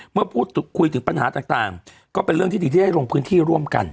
เมื่อพูดคุยถึงปัญหาต่างก็เป็นเรื่องที่ดีที่ได้ลงพื้นที่ร่วมกัน